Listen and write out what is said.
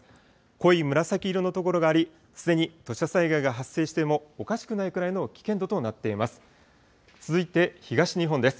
濃い紫色の所があり、すでに土砂災害が発生してもおかしくないくらいの危険度となっています。